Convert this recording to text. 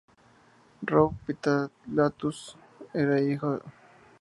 Rob Pilatus era hijo de padre soldado afroestadounidense y madre alemana.